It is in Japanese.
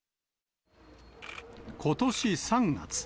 ことし３月。